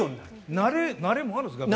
慣れもあるんですかね。